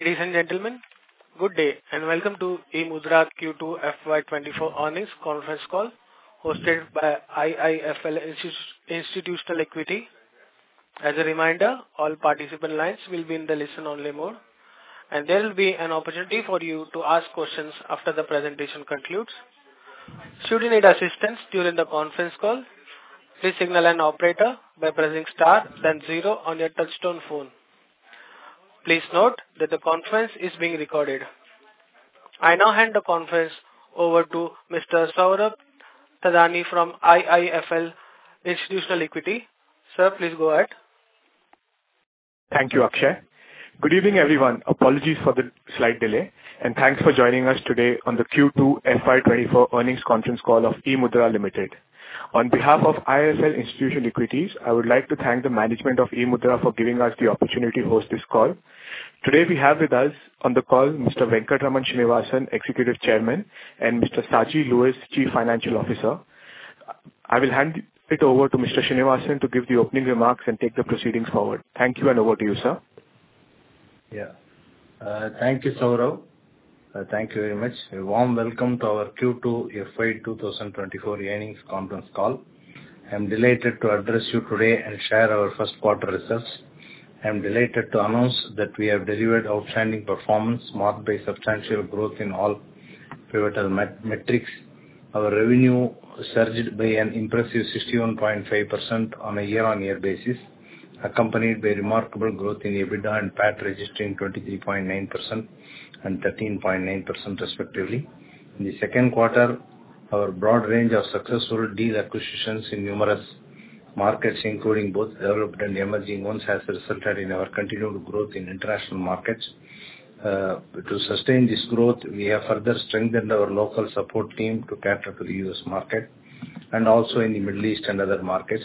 Ladies and gentlemen, good day, and welcome to the eMudhra Q2 FY 2024 Earnings Conference Call, hosted by IIFL Institutional Equities. As a reminder, all participant lines will be in the listen-only mode, and there will be an opportunity for you to ask questions after the presentation concludes. Should you need assistance during the conference call, please signal an operator by pressing star then zero on your touchtone phone. Please note that the conference is being recorded. I now hand the conference over to Mr. Saurabh Thadani from IIFL Institutional Equities. Sir, please go ahead. Thank you, Akshay. Good evening, everyone. Apologies for the slight delay, and thanks for joining us today on the Q2 FY 2024 earnings conference call of eMudhra Limited. On behalf of IIFL Institutional Equities, I would like to thank the management of eMudhra for giving us the opportunity to host this call. Today, we have with us on the call Mr. Venkatraman Srinivasan, Executive Chairman, and Mr. Saji K. Louiz, Chief Financial Officer. I will hand it over to Mr. Srinivasan to give the opening remarks and take the proceedings forward. Thank you, and over to you, sir. Yeah. Thank you, Saurabh. Thank you very much. A warm welcome to our Q2 FY 2024 earnings conference call. I'm delighted to address you today and share our first quarter results. I'm delighted to announce that we have delivered outstanding performance, marked by substantial growth in all pivotal metrics. Our revenue surged by an impressive 61.5% on a year-on-year basis, accompanied by remarkable growth in EBITDA and PAT, registering 23.9% and 13.9% respectively. In the second quarter, our broad range of successful deal acquisitions in numerous markets, including both developed and emerging ones, has resulted in our continued growth in international markets. To sustain this growth, we have further strengthened our local support team to cater to the U.S. market, and also in the Middle East and other markets.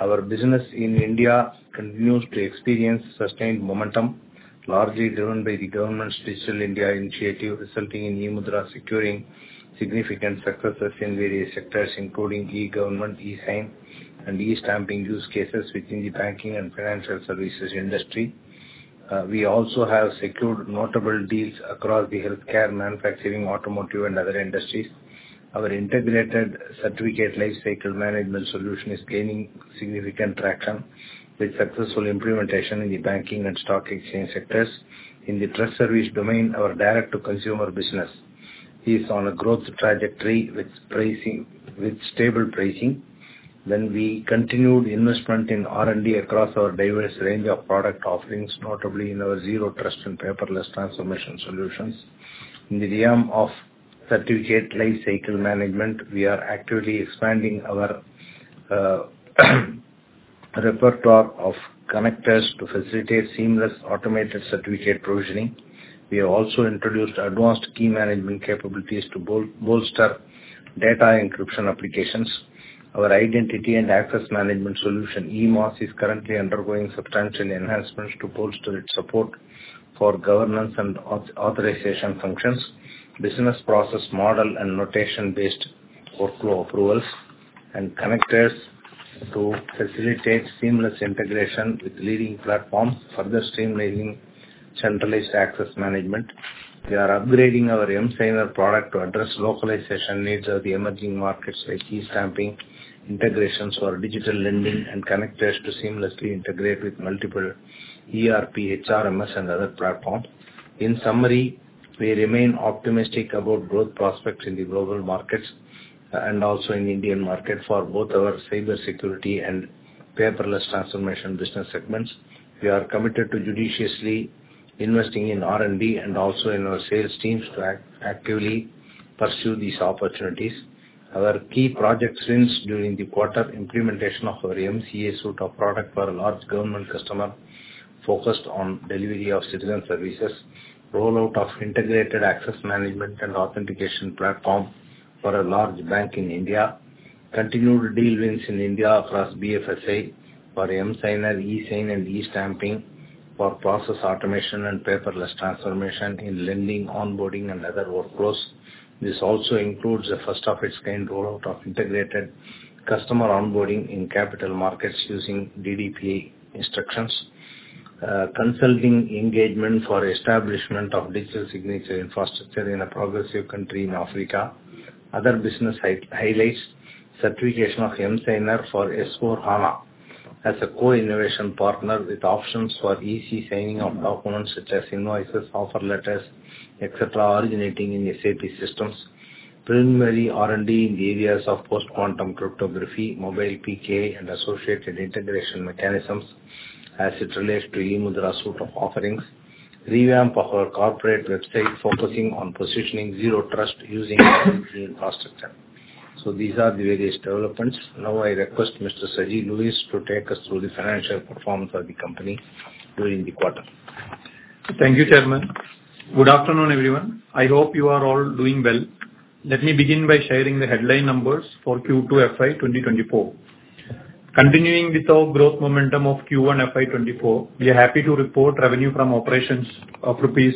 Our business in India continues to experience sustained momentum, largely driven by the government's Digital India initiative, resulting in eMudhra securing significant successes in various sectors, including e-government, eSign, and eStamping use cases within the banking and financial services industry. We also have secured notable deals across the healthcare, manufacturing, automotive, and other industries. Our integrated certificate lifecycle management solution is gaining significant traction with successful implementation in the banking and stock exchange sectors. In the trust service domain, our direct-to-consumer business is on a growth trajectory with pricing, with stable pricing. Then we continued investment in R&D across our diverse range of product offerings, notably in our Zero Trust and Paperless Transformation Solutions. In the realm of Certificate Lifecycle Management, we are actively expanding our repertoire of connectors to facilitate seamless automated certificate provisioning. We have also introduced advanced key management capabilities to bolster data encryption applications. Our Identity and Access Management solution, IAM, is currently undergoing substantial enhancements to bolster its support for governance and authorization functions, business process model and notation-based workflow approvals, and connectors to facilitate seamless integration with leading platforms, further streamlining centralized access management. We are upgrading our emSigner product to address localization needs of the emerging markets, like e-stamping, integrations for digital lending, and connectors to seamlessly integrate with multiple ERP, HRMS, and other platforms. In summary, we remain optimistic about growth prospects in the global markets, and also in Indian market for both our cybersecurity and paperless transformation business segments. We are committed to judiciously investing in R&D and also in our sales teams to actively pursue these opportunities. Our key project wins during the quarter: implementation of our MCA suite of product for a large government customer focused on delivery of citizen services, rollout of integrated access management and authentication platform for a large bank in India, continued deal wins in India across BFSI for emSigner, eSign, and eStamping for process automation and paperless transformation in lending, onboarding, and other workflows. This also includes a first of its kind rollout of integrated customer onboarding in capital markets using DDP instructions. Consulting engagement for establishment of digital signature infrastructure in a progressive country in Africa. Other business highlights: certification of emSigner for S/4HANA as a co-innovation partner with options for easy signing of documents such as invoices, offer letters, et cetera, originating in SAP systems. Preliminary R&D in the areas of post-quantum cryptography, mobile PKI, and associated integration mechanisms as it relates to eMudhra suite of offerings. Revamp of our corporate website, focusing on positioning Zero Trust using infrastructure. So these are the various developments. Now, I request Mr. Saji K. Louiz to take us through the financial performance of the company during the quarter. Thank you, Chairman. Good afternoon, everyone. I hope you are all doing well. Let me begin by sharing the headline numbers for Q2 FY 2024. Continuing with our growth momentum of Q1 FY 2024, we are happy to report revenue from operations of rupees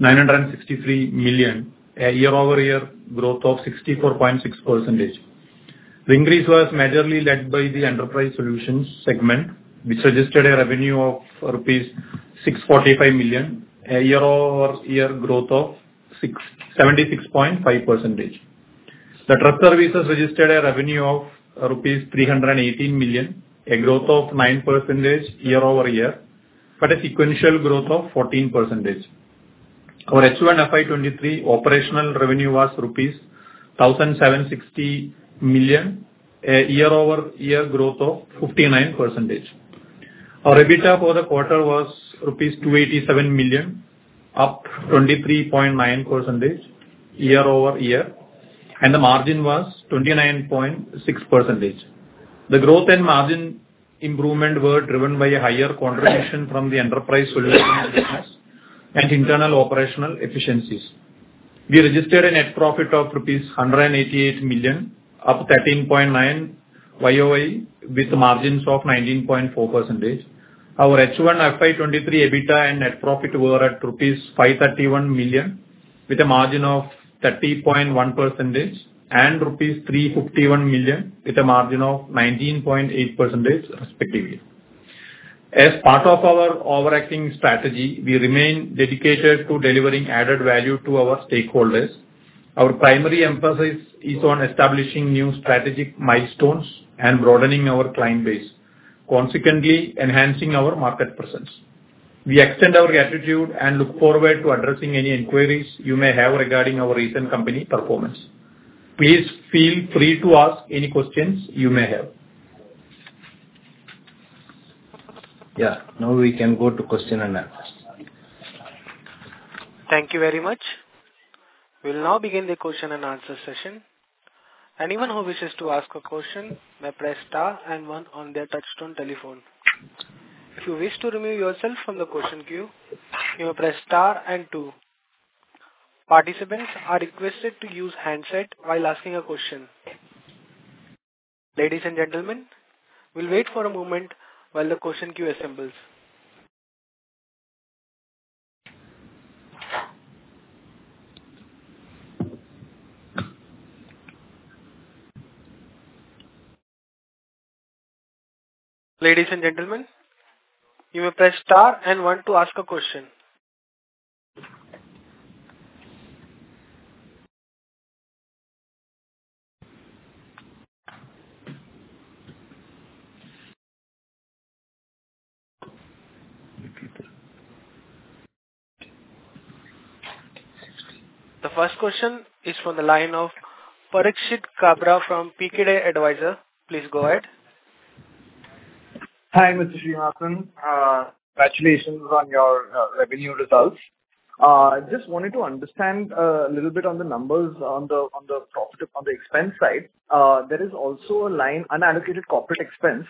963 million, a year-over-year growth of 64.6%. The increase was majorly led by the Enterprise Solutions segment, which registered a revenue of rupees 645 million, a year-over-year growth of 67.6%. The trust services registered a revenue of rupees 318 million, a growth of 9% year-over-year, but a sequential growth of 14%. Our H1 FY 2023 operational revenue was rupees 1,760 million, a year-over-year growth of 59%. Our EBITDA for the quarter was 287 million rupees, up 23.9% year-over-year, and the margin was 29.6%. The growth and margin improvement were driven by a higher contribution from the Enterprise Solution business and internal operational efficiencies. We registered a net profit of rupees 188 million, up 13.9% YoY, with margins of 19.4%. Our H1 FY 2023 EBITDA and net profit were at rupees 531 million, with a margin of 30.1%, and rupees 351 million, with a margin of 19.8%, respectively. As part of our overarching strategy, we remain dedicated to delivering added value to our stakeholders. Our primary emphasis is on establishing new strategic milestones and broadening our client base, consequently enhancing our market presence. We extend our gratitude and look forward to addressing any inquiries you may have regarding our recent company performance. Please feel free to ask any questions you may have. Yeah, now we can go to question and answer. Thank you very much. We'll now begin the question-and-answer session. Anyone who wishes to ask a question may press star and one on their touch-tone telephone. If you wish to remove yourself from the question queue, you may press star and two. Participants are requested to use handset while asking a question. Ladies and gentlemen, we'll wait for a moment while the question queue assembles. Ladies and gentlemen, you may press star and one to ask a question. The first question is from the line of Parikshit Kabra from Pkeday Advisors. Please go ahead. Hi, Mr. Srinivasan. Congratulations on your revenue results. I just wanted to understand a little bit on the numbers on the profit, on the expense side. There is also a line, unallocated corporate expense,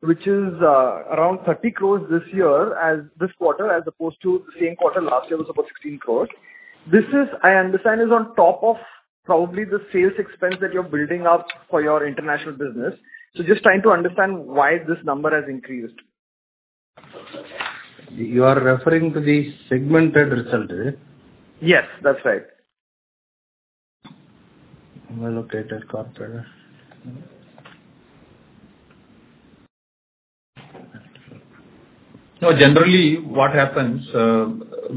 which is around 30 crore this quarter, as opposed to the same quarter last year, which was about 15 crore. This is, I understand, on top of probably the sales expense that you're building up for your international business. So just trying to understand why this number has increased. You are referring to the segmented result, is it? Yes, that's right. Unallocated corporate. No, generally, what happens,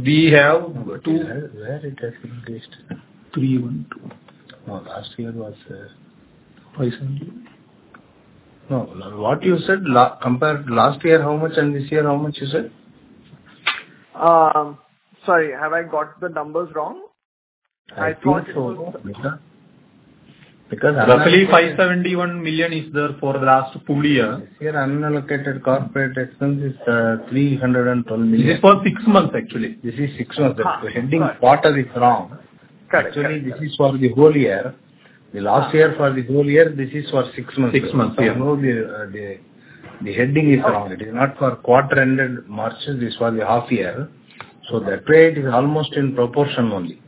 we have two- Where it has increased? 312. No, last year was, Recently? No, no, what you said, compared last year, how much, and this year, how much you said? Sorry, have I got the numbers wrong? I think so. Because roughly 571 million is there for the last full year. Here, unallocated corporate expense is 312 million. This is for six months, actually. This is six months. The heading quarter is wrong. Correct. Actually, this is for the whole year. The last year, for the whole year, this is for six months. Six months, yeah. So no, the heading is wrong. It is not for quarter ended March. This is for the half year. So that way it is almost in proportion only.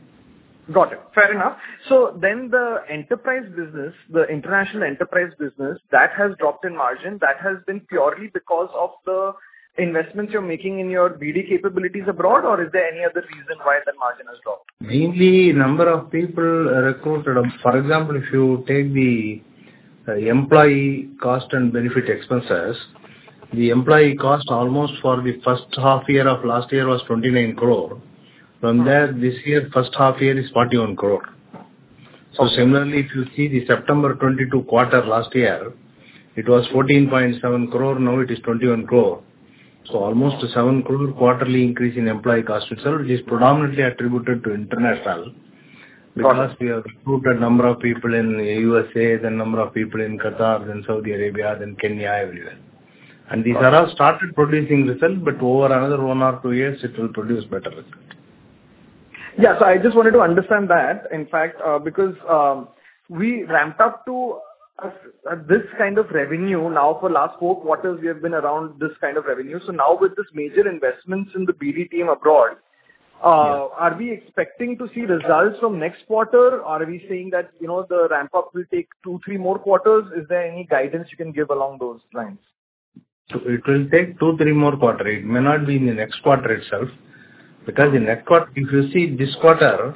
Got it. Fair enough. So then the enterprise business, the international enterprise business, that has dropped in margin, that has been purely because of the investments you're making in your BD capabilities abroad, or is there any other reason why that margin has dropped? Mainly, number of people are recruited. For example, if you take the employee cost and benefit expenses, the employee cost almost for the first half year of last year was 29 crore. From there, this year, first half year is 41 crore. So similarly, if you see the September 2022 quarter last year, it was 14.7 crore, now it is 21 crore. So almost 7 crore quarterly increase in employee cost, which is predominantly attributed to international- Got it. Because we have recruited number of people in U.S.A, then number of people in Qatar, then Saudi Arabia, then Kenya, everywhere. Got it. These are all started producing results, but over another one or two years, it will produce better result. Yeah. So I just wanted to understand that, in fact, because we ramped up to a this kind of revenue. Now, for last four quarters, we have been around this kind of revenue. So now with this major investments in the BD team abroad. Yes. Are we expecting to see results from next quarter, or are we saying that, you know, the ramp-up will take two, three more quarters? Is there any guidance you can give along those lines? So it will take two, three more quarters. It may not be in the next quarter itself, because the next quarter, if you see this quarter,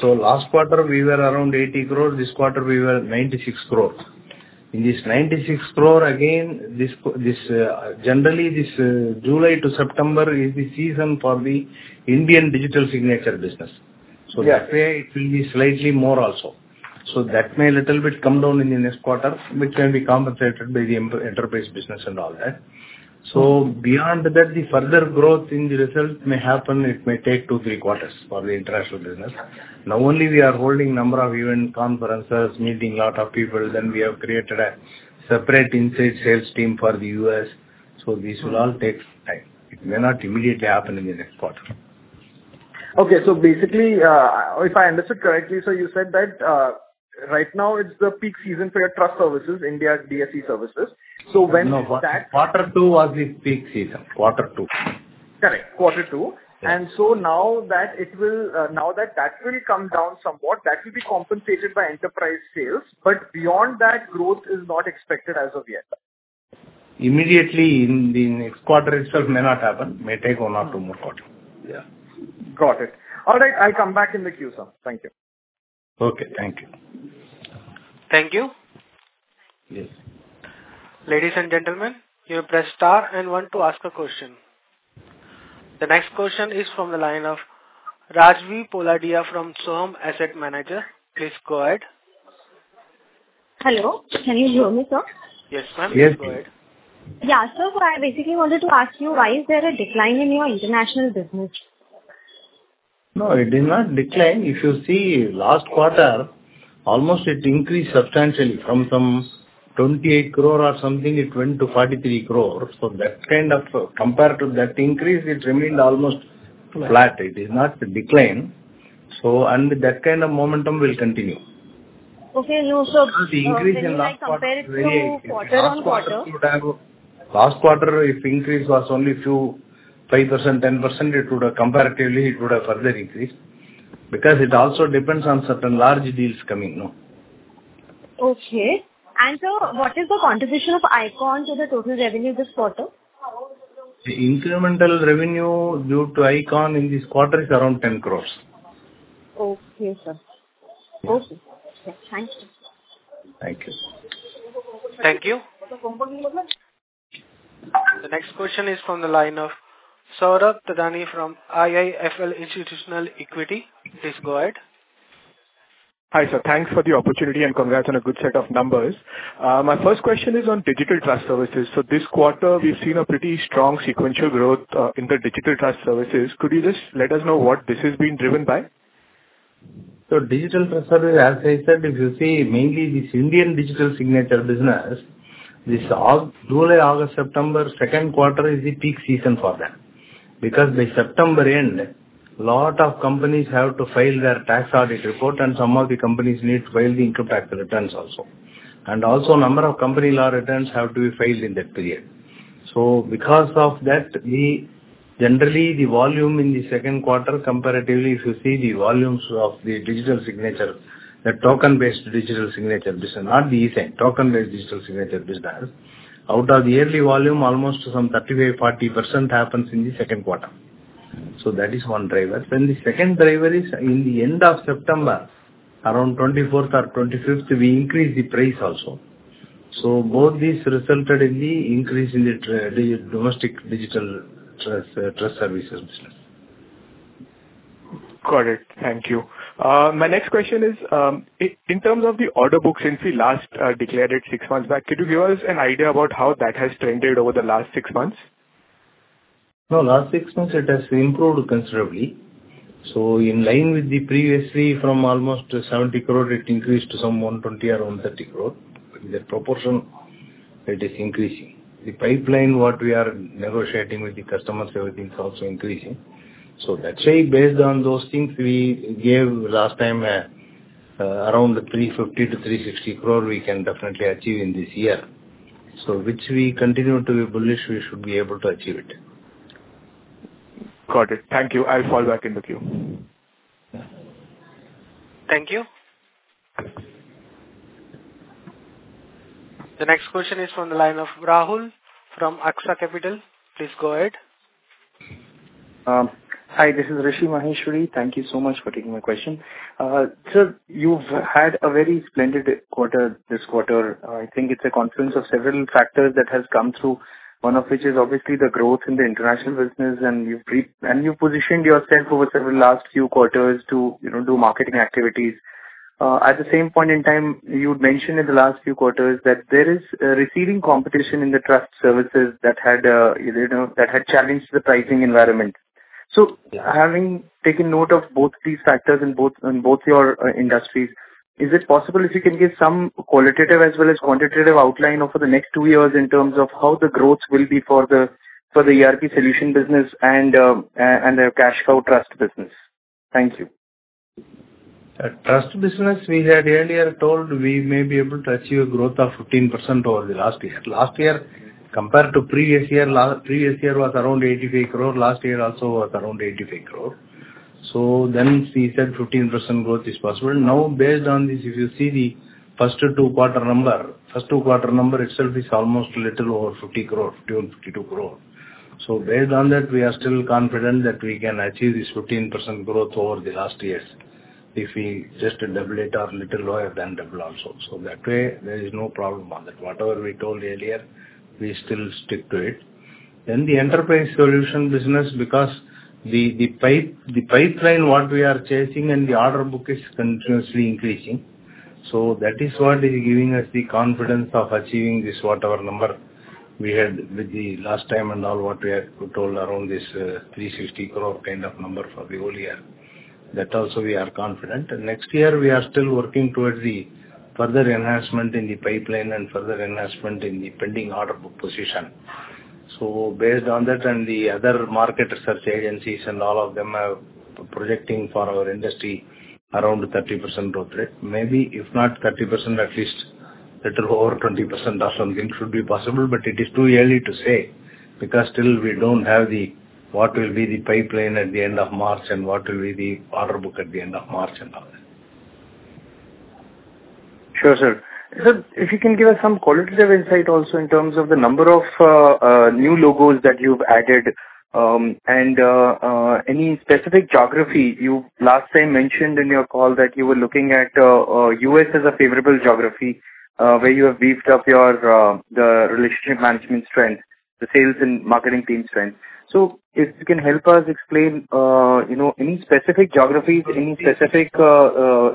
so last quarter we were around 80 crore, this quarter we were 96 crore. In this 96 crore, again, generally, July to September is the season for the Indian digital signature business. Yes. So that way it will be slightly more also. So that may a little bit come down in the next quarter, which can be compensated by the enterprise business and all that. So beyond that, the further growth in the results may happen. It may take two, three quarters for the international business. Now, only we are holding number of event, conferences, meeting lot of people, then we have created a separate inside sales team for the U.S., so this will all take time. It may not immediately happen in the next quarter. Okay. So basically, if I understood correctly, sir, you said that right now it's the peak season for your trust services, India's DSC services. So when- No, quarter two was the peak season. Quarter two. Correct, quarter two. Yes. Now that that will come down somewhat, that will be compensated by enterprise sales, but beyond that, growth is not expected as of yet? Immediately in the next quarter itself may not happen, may take one or two more quarter. Yeah. Got it. All right, I'll come back in the queue, sir. Thank you. Okay, thank you. Thank you. Yes. Ladies and gentlemen, you may press star and one to ask a question. The next question is from the line of Rajvi Poladia from Sohum Asset Managers. Please go ahead. Hello. Can you hear me, sir? Yes, ma'am. Yes. Go ahead. Yeah, so I basically wanted to ask you, why is there a decline in your international business? No, it did not decline. If you see last quarter, almost it increased substantially from some 28 crore or something, it went to 43 crore. So that kind of... Compared to that increase, it remained almost- Flat Flat. It is not a decline, so and that kind of momentum will continue. Okay, you know, sir- Because the increase in last quarter- Can I compare it to quarter-on-quarter? Last quarter, if increase was only few 5%, 10%, it would have comparatively, it would have further increased, because it also depends on certain large deals coming, no? Okay. And sir, what is the contribution of Ikon to the total revenue this quarter? The incremental revenue due to Ikon in this quarter is around 10 crore. Okay, sir. Mm-hmm. Okay, thank you. Thank you. Thank you. The next question is from the line of Saurabh Thadani from IIFL Institutional Equities. Please go ahead. Hi, sir. Thanks for the opportunity, and congrats on a good set of numbers. My first question is on Digital Trust Services. This quarter, we've seen a pretty strong sequential growth in the Digital Trust Services. Could you just let us know what this is being driven by? So Digital Trust Service, as I said, if you see mainly this Indian digital signature business, this Aug- July, August, September, second quarter is the peak season for them. Because by September end, lot of companies have to file their tax audit report, and some of the companies need to file the income tax returns also. And also number of company law returns have to be filed in that period. So because of that, we generally, the volume in the second quarter, comparatively, if you see the volumes of the digital signature, the token-based digital signature business, not the e-sign, token-based digital signature business, out of the yearly volume, almost some 35%-40% happens in the second quarter. So that is one driver. Then the second driver is in the end of September, around 24th or 25th, we increase the price also. So both these resulted in the increase in the domestic Digital Trust Service business. Got it. Thank you. My next question is, in terms of the order book since we last declared it six months back, could you give us an idea about how that has trended over the last six months? No, last six months it has improved considerably. So in line with the previously, from almost 70 crore, it increased to some 120 or 130 crore. In that proportion, it is increasing. The pipeline, what we are negotiating with the customers, everything is also increasing. So that's why, based on those things, we gave last time, around the 350 crore-360 crore we can definitely achieve in this year. So which we continue to be bullish, we should be able to achieve it. Got it. Thank you. I'll fall back in the queue. Thank you. The next question is from the line of Rahul from AKSA Capital. Please go ahead. Hi, this is Rishi Maheshwari. Thank you so much for taking my question. Sir, you've had a very splendid quarter this quarter. I think it's a confluence of several factors that has come through, one of which is obviously the growth in the international business, and you positioned yourself over several last few quarters to, you know, do marketing activities. At the same point in time, you'd mentioned in the last few quarters that there is receding competition in the trust services that had, you know, that had challenged the pricing environment. So having taken note of both these factors in both your industries, is it possible if you can give some qualitative as well as quantitative outline of the next two years in terms of how the growth will be for the ERP Solution business and the Cash Flow Trust business? Thank you. the trust business, we had earlier told we may be able to achieve a growth of 15% over the last year. Last year, compared to previous year, previous year was around 85 crore, last year also was around 85 crore. So then we said 15% growth is possible. Now, based on this, if you see the first two quarter number, first two quarter number itself is almost a little over 50 crore, between 52 crore. So based on that, we are still confident that we can achieve this 15% growth over the last years, if we just double it or little lower than double also. So that way, there is no problem on that. Whatever we told earlier, we still stick to it. Then the Enterprise Solution business, because the, the pipe, the pipeline, what we are chasing and the order book is continuously increasing. So that is what is giving us the confidence of achieving this, whatever number we had with the last time and all what we had told around this, 360 crore kind of number for the whole year. That also we are confident. And next year we are still working towards the further enhancement in the pipeline and further enhancement in the pending order book position. So based on that and the other market research agencies and all of them are projecting for our industry around 30% growth rate. Maybe if not 30%, at least little over 20% or something should be possible, but it is too early to say, because still we don't have the, what will be the pipeline at the end of March and what will be the order book at the end of March and all that. Sure, sir. Sir, if you can give us some qualitative insight also in terms of the number of new logos that you've added, and any specific geography. You last time mentioned in your call that you were looking at U.S. as a favorable geography, where you have beefed up your the relationship management strength, the sales and marketing team strength. So if you can help us explain, you know, any specific geographies, any specific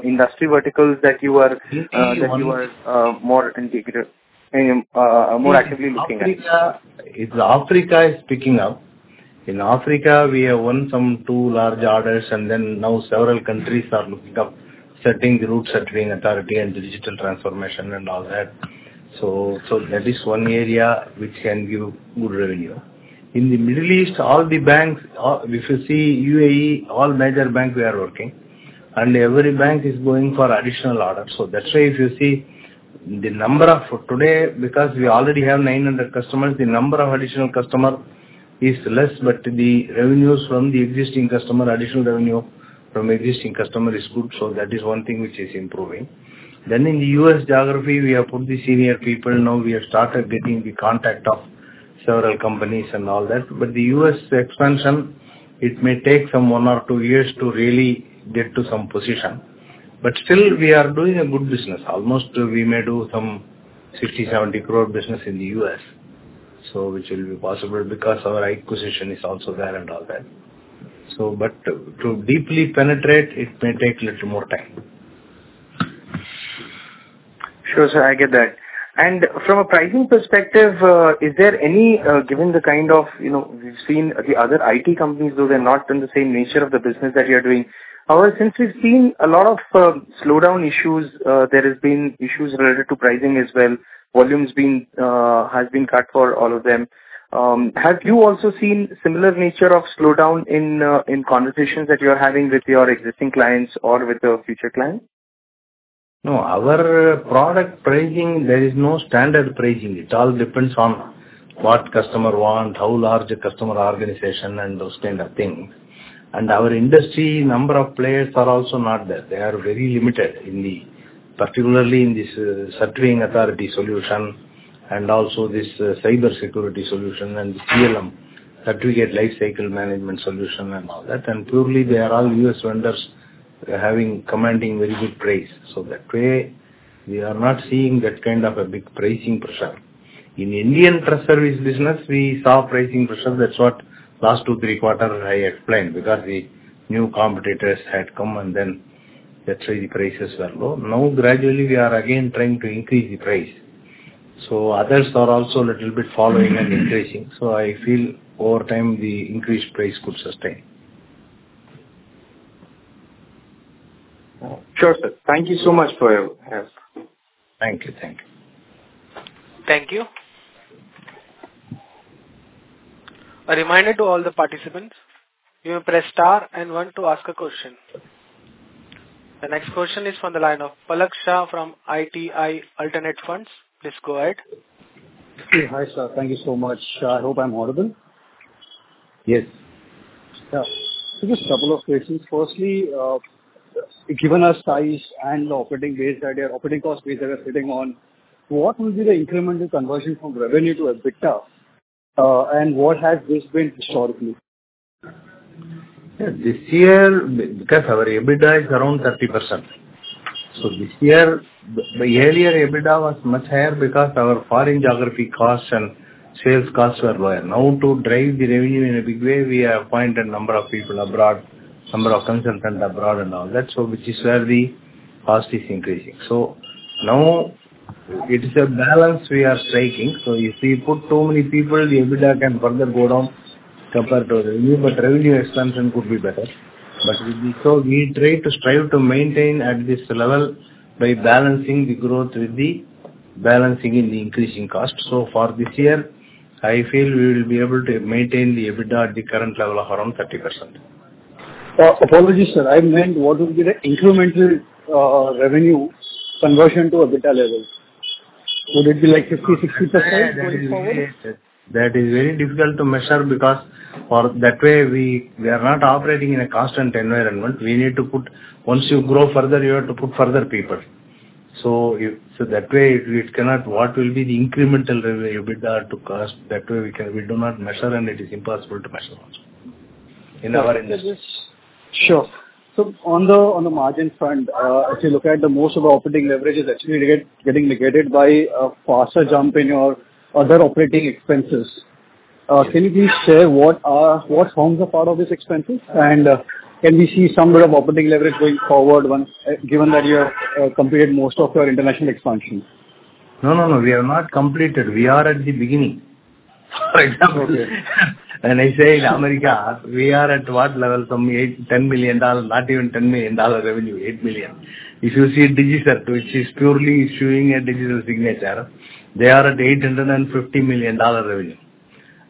industry verticals that you are that you are more integrated more actively looking at? In Africa, Africa is picking up. In Africa, we have won some two large orders, and then now several countries are looking up, setting the roots between authority and digital transformation and all that. So, so that is one area which can give good revenue. In the Middle East, all the banks, if you see UAE, all major banks we are working, and every bank is going for additional orders. So that's why if you see the number of today, because we already have 900 customers, the number of additional customer is less, but the revenues from the existing customer, additional revenue from existing customer is good. So that is one thing which is improving. Then in the U.S. geography, we have put the senior people. Now we have started getting the contract of several companies and all that. The U.S. expansion, it may take some one or two years to really get to some position, but still we are doing a good business. Almost, we may do some 60 crore-70 crore business in the U.S., so which will be possible because our acquisition is also there and all that. But to deeply penetrate, it may take little more time. Sure, sir, I get that. And from a pricing perspective, is there any, given the kind of, you know, we've seen the other IT companies, though they're not in the same nature of the business that you're doing. However, since we've seen a lot of slowdown issues, there has been issues related to pricing as well. Volumes being has been cut for all of them. Have you also seen similar nature of slowdown in conversations that you're having with your existing clients or with the future clients? No, our product pricing, there is no standard pricing. It all depends on what customer want, how large the customer organization, and those kind of things. Our industry, number of players are also not there. They are very limited in the particularly in this, Certifying Authority Solution and also this, Cybersecurity Solution and the CLM, Certificate Lifecycle Management solution and all that. Purely, they are all U.S. vendors. They're having commanding very good price. So that way, we are not seeing that kind of a big pricing pressure. In Indian trust service business, we saw pricing pressure. That's what last two, three quarters I explained, because the new competitors had come, and then that's why the prices were low. Now, gradually, we are again trying to increase the price. So others are also a little bit following and increasing. I feel over time, the increased price could sustain. Sure, sir. Thank you so much for your help. Thank you. Thank you. Thank you. A reminder to all the participants, you may press star and one to ask a question. The next question is from the line of Palak Shah from ITI Alternate Funds. Please go ahead. Hi, sir. Thank you so much. I hope I'm audible? Yes. Yeah. Just a couple of questions. Firstly, given our size and the operating cost base that you're sitting on, what will be the incremental conversion from revenue to EBITDA, and what has this been historically? This year, because our EBITDA is around 30%. So this year, the earlier EBITDA was much higher because our foreign geography costs and sales costs were lower. Now, to drive the revenue in a big way, we have appointed a number of people abroad, number of consultants abroad and all that, so which is where the cost is increasing. So now it is a balance we are striking. So if we put too many people, the EBITDA can further go down compared to revenue, but revenue expansion could be better. But so we try to strive to maintain at this level by balancing the growth with the balancing in the increasing cost. So for this year, I feel we will be able to maintain the EBITDA at the current level of around 30%. Apologies, sir. I meant what will be the incremental revenue conversion to EBITDA level? Would it be like 50%-60% going forward? That is very difficult to measure because, that way, we are not operating in a constant environment. We need to put. Once you grow further, you have to put further people. So, that way, it cannot. What will be the incremental revenue EBITDA to cost? That way, we do not measure, and it is impossible to measure also in our industry. Sure. So on the margin front, as you look at, most of the operating leverage is actually getting negated by a faster jump in your other operating expenses. Can you please share what forms are part of these expenses? Can we see some way of operating leverage going forward, given that you have completed most of your international expansion? No, no, no, we have not completed. We are at the beginning. For example, when I say in America, we are at what level? Some $8 million-$10 million, not even $10 million revenue, $8 million. If you see a DigiCert, which is purely issuing a digital signature, they are at $850 million revenue.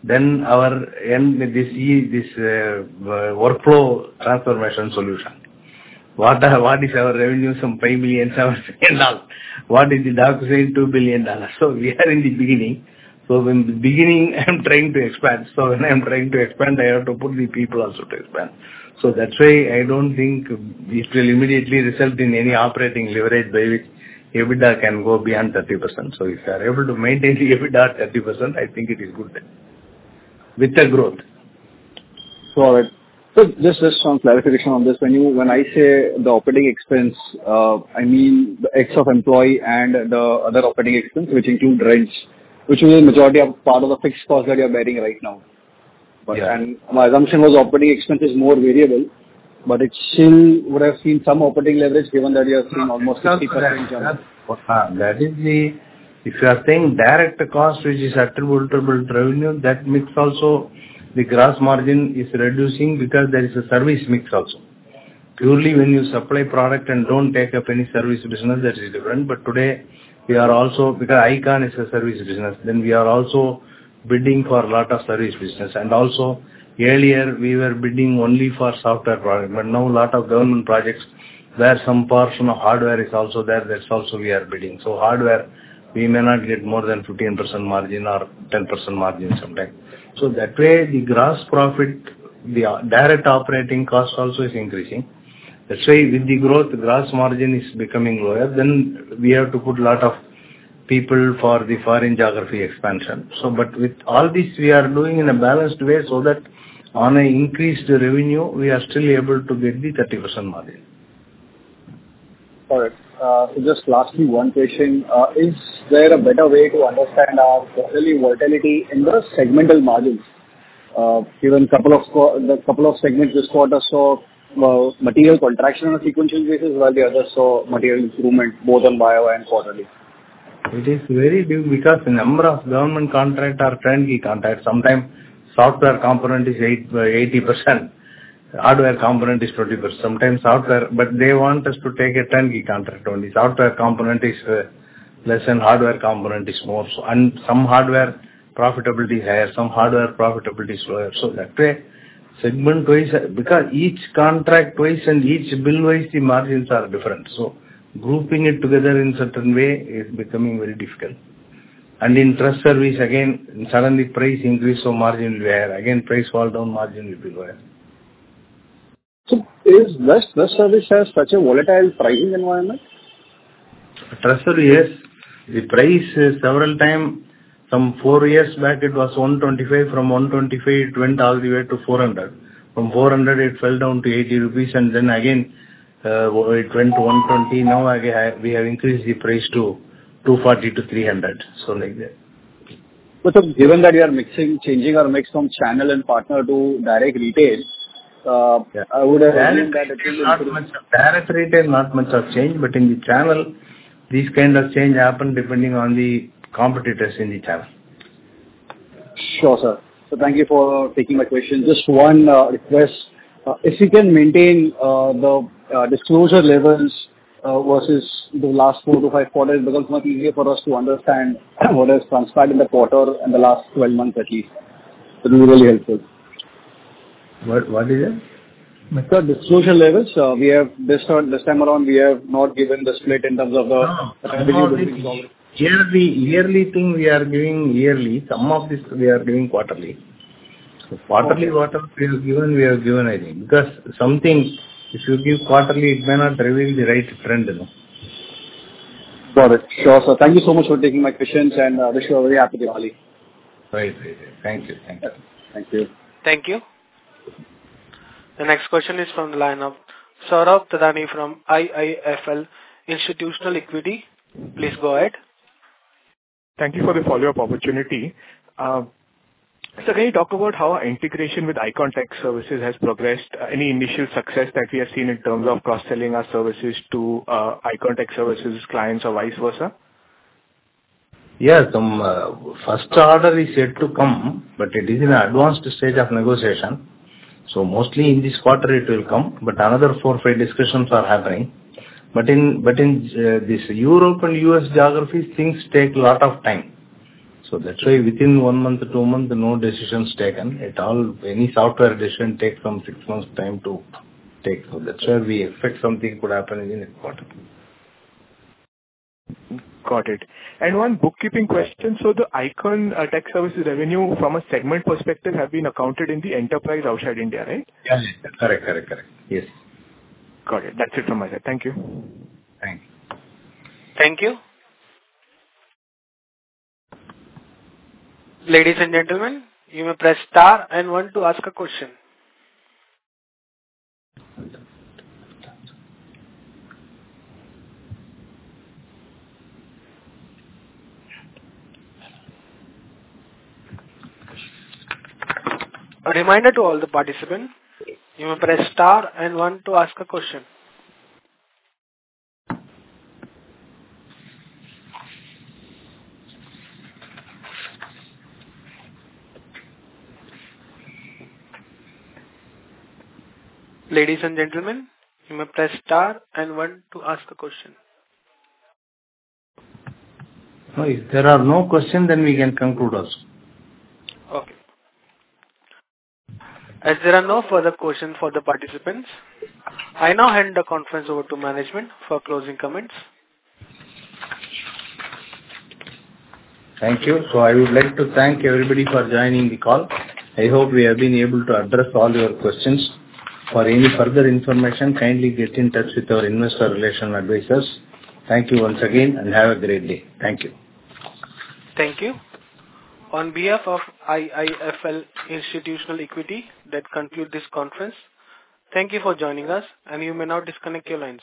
Then our end, this is, this, workflow transformation solution. What are, what is our revenue? Some $5 million-$7 million. What is the DocuSign? $2 billion. So we are in the beginning. So in the beginning, I am trying to expand. So when I'm trying to expand, I have to put the people also to expand. So that's why I don't think it will immediately result in any operating leverage by which EBITDA can go beyond 30%. If they are able to maintain the EBITDA 30%, I think it is good with the growth. All right. So just, just some clarification on this. When you, when I say the operating expense, I mean, the cost of employee and the other operating expense, which include rents, which is a majority of part of the fixed cost that you're bearing right now. Yeah. My assumption was operating expense is more variable, but it still would have seen some operating leverage, given that you have seen almost 60%- That is the, if you are saying direct cost, which is attributable to revenue, that mix also, the gross margin is reducing because there is a service mix also. Purely when you supply product and don't take up any service business, that is different. But today we are also, because Ikon is a service business, then we are also bidding for a lot of service business. And also earlier we were bidding only for software product, but now a lot of government projects, where some portion of hardware is also there, that's also we are bidding. So hardware, we may not get more than 15% margin or 10% margin sometime. So that way, the gross profit, the, direct operating cost also is increasing. That's why with the growth, gross margin is becoming lower. Then we have to put a lot of people for the foreign geography expansion. So, but with all this, we are doing in a balanced way, so that on an increased revenue, we are still able to get the 30% margin. All right. So just lastly, one question. Is there a better way to understand our quarterly volatility in the segmental margins? Given the couple of segments this quarter saw material contraction on a sequential basis, while the others saw material improvement, both on YoY and quarterly. It is very due because the number of government contracts are turnkey contracts. Sometimes software component is 80%, hardware component is 20%. Sometimes software, but they want us to take a turnkey contract only. Software component is less and hardware component is more. So, and some hardware profitability is higher, some hardware profitability is lower. So that way, segment-wise, because each contract-wise and each bill-wise, the margins are different. So grouping it together in certain way is becoming very difficult. And in trust service, again, suddenly price increase, so margin will be higher. Again, price fall down, margin will be lower. So, is trust services has such a volatile pricing environment? Trust service, the price is several times. From four years back it was 125. From 125, it went all the way to 400. From 400, it fell down to 80 rupees, and then again, it went to 120. Now, again, we have increased the price to 240-300. So like that. But so given that you are mixing, changing our mix from channel and partner to direct retail, Yeah. I would have imagined that- Not much, direct retail, not much of change, but in the channel, these kind of change happen depending on the competitors in the channel. Sure, sir. Thank you for taking my question. Just one request. If you can maintain the disclosure levels versus the last 4-5 quarters, it becomes much easier for us to understand what has transpired in the quarter, in the last 12 months at least. It will be really helpful. What, what is it? Sir, disclosure levels. We have, based on this time around, we have not given the split in terms of the- Yearly, yearly thing, we are giving yearly. Some of this we are giving quarterly. So quarterly, whatever we have given, we have given, I think, because something, if you give quarterly, it may not reveal the right trend, you know? Got it. Sure, sir. Thank you so much for taking my questions, and wish you a very happy Diwali. Right. Right. Right. Thank you. Thank you. Thank you. Thank you. The next question is from the line of Saurabh Thadani from IIFL Institutional Equities. Please go ahead. Thank you for the follow-up opportunity. Sir, can you talk about how integration with Ikon Tech Services has progressed? Any initial success that we have seen in terms of cross-selling our services to Ikon Tech Services clients or vice versa? Yes, some first order is yet to come, but it is in an advanced stage of negotiation. So mostly in this quarter it will come, but another four or five discussions are happening. But in this Europe and U.S. geography, things take a lot of time. So that's why within one month, two months, no decision is taken. At all, any software decision takes some six months time to take. So that's why we expect something could happen in the next quarter. Got it. And one bookkeeping question: so the Ikon Tech Services revenue from a segment perspective, have been accounted in the enterprise outside India, right? Yes. Correct, correct, correct. Yes. Got it. That's it from my side. Thank you. Thank you. Thank you. Ladies and gentlemen, you may press star and one to ask a question. A reminder to all the participants, you may press star and one to ask a question. Ladies and gentlemen, you may press star and one to ask a question. If there are no questions, then we can conclude also. Okay. As there are no further questions for the participants, I now hand the conference over to management for closing comments. Thank you. I would like to thank everybody for joining the call. I hope we have been able to address all your questions. For any further information, kindly get in touch with our investor relation advisors. Thank you once again, and have a great day. Thank you. Thank you. On behalf of IIFL Institutional Equities, that concludes this conference. Thank you for joining us, and you may now disconnect your lines.